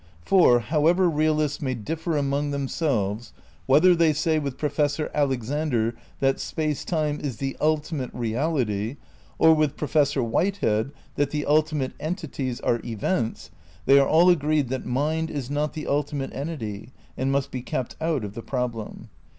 For, however realists may differ among themselves, whether they say with Pro fessor Alexander that Space Time is the ultimate reality, or with Professor Whitehead that the ultimate entities are events, they are all agreed that mind is not the ultimate entity and must be kept out of the problem.